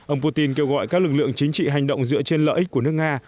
ông putin kêu gọi các lực lượng chính trị hành động dựa trên lợi ích của nước nga